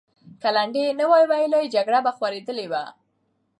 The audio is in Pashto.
که لنډۍ یې نه وای ویلې، جګړه به خورېدلې وه.